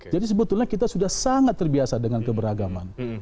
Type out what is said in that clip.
jadi sebetulnya kita sudah sangat terbiasa dengan keberagaman